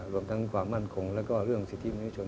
รวมทั้งความมั่นคงและเรื่องสิทธิผู้ชน